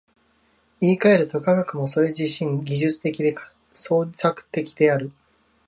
言い換えると、科学もそれ自身技術的で操作的である。